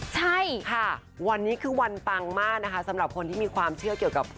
ใช่ค่ะวันนี้คือวันปังมากนะคะสำหรับคนที่มีความเชื่อเกี่ยวกับ